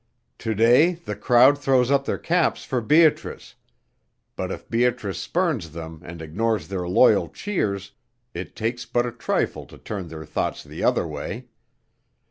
To day the crowd throw up their caps for Beatrice, but if Beatrice spurns them and ignores their loyal cheers, it takes but a trifle to turn their thoughts the other way.